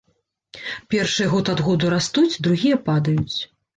Першыя год ад году растуць, другія падаюць.